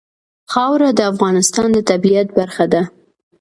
خاوره د افغانستان د طبیعت برخه ده.